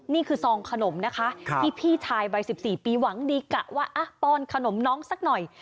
ซองขนมนะคะที่พี่ชายวัย๑๔ปีหวังดีกะว่าป้อนขนมน้องสักหน่อย